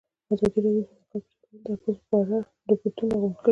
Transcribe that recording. ازادي راډیو د د ځنګلونو پرېکول د اغېزو په اړه ریپوټونه راغونډ کړي.